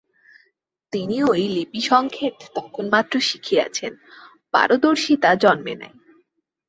তিনি ঐ লিপিসঙ্কেত তখন মাত্র শিখিয়াছেন, পারদর্শিতা জন্মে নাই।